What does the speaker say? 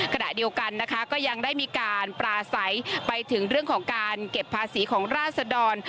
ขณะเดียวกันนะคะก็ยังได้มีการปลาใสไปถึงเรื่องของการเก็บภาษีของราศดร